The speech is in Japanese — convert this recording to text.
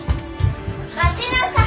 待ちなさい！